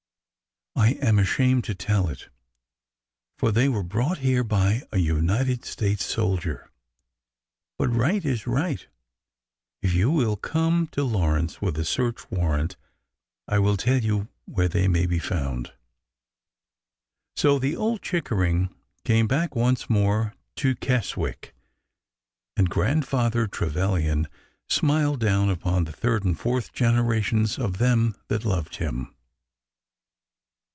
I am ashamed to tell it, for they were brought here by a United States soldier. But right is right ! If you will come to Lawrence with a search warrant, I will tell you where they may be found." So the old Chickering came back once more to Kes wick, and Grandfather Trevilian smiled down upon the third and fourth generations of them that loved him.